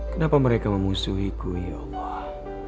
kenapa mereka memusuhiku ya allah